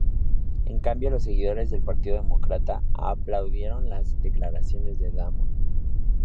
En cambio los seguidores del Partido Demócrata aplaudieron las declaraciones de Damon.